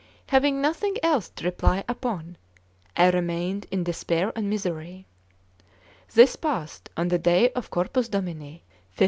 Having nothing else to rely upon, I remained in despair and misery. This passed on the day of Corpus Domini 1539.